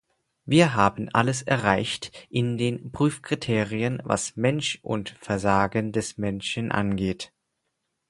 Wir haben alles erreicht in den Prüfkriterien, was Mensch und Versagen des Menschen angeht.